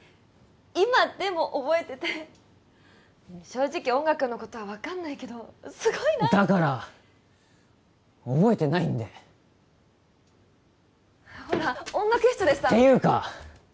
今でも覚えてて正直音楽のことは分かんないけどすごいなってだからっ覚えてないんでほら音楽室でさていうか！